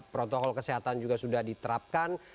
protokol kesehatan juga sudah diterapkan